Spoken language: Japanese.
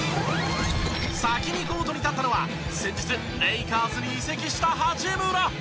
先にコートに立ったのは先日レイカーズに移籍した八村。